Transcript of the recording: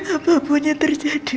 apa pun yang terjadi